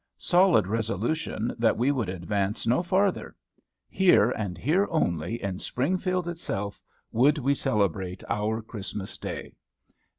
Solid resolution that we would advance no farther. Here, and here only, in Springfield itself, would we celebrate our Christmas day.